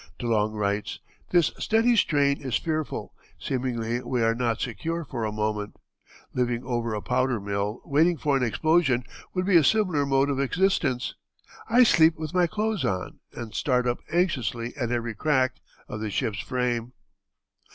De Long writes: "This steady strain is fearful; seemingly we are not secure for a moment.... Living over a powder mill, waiting for an explosion, would be a similar mode of existence.... I sleep with my clothes on, and start up anxiously at every crack ... of the ship's frame."